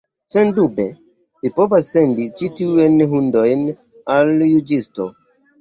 Sendube, vi povas sendi ĉi tiujn hundojn al juĝisto.